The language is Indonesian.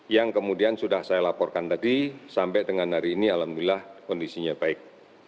yang kemudian sudah saya laporkan tadi sampai dengan hari ini alhamdulillah kondisinya baik